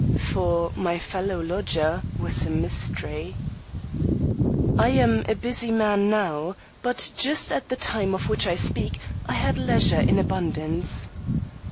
For my fellow lodger was a mystery. I am a busy man now, but just at the time of which I speak, I had leisure in abundance.